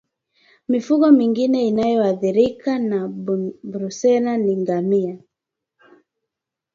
Mifugo mingine inayoathirika na Brusela ni ngamia